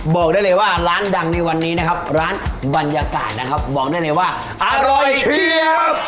บอกได้เลยว่าร้านดังในวันนี้นะครับร้านบรรยากาศนะครับบอกได้เลยว่าอร่อยเชียบ